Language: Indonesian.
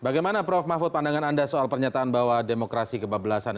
bagaimana prof mahfud pandangan anda soal pernyataan bahwa demokrasi kebablasan